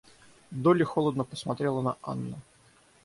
Долли холодно посмотрела на Анну.